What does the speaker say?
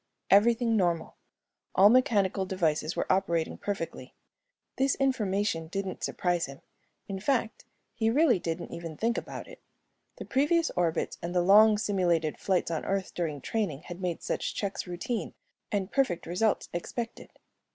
Everything normal; all mechanical devices were operating perfectly. This information didn't surprise him, in fact, he really didn't even think about it. The previous orbits and the long simulated flights on Earth during training had made such checks routine and perfect results expected.